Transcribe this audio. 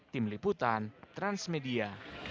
tim liputan transmedia